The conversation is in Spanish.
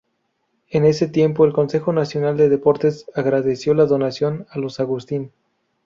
En ese tiempo, el Consejo Nacional de Deportes agradeció la donación a los Augustín.